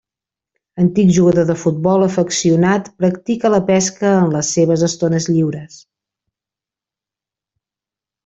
Antic jugador de futbol afeccionat, practica la pesca en les seves estones lliures.